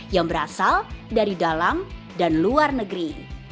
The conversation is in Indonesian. yang berasal dari dalam dan luar negeri